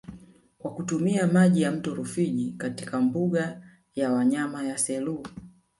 Kwa kutumia maji ya mto Rufiji katika mbuga ya wanyama ya Selous